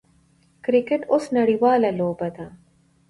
کرکټ اوس نړۍواله لوبه ده.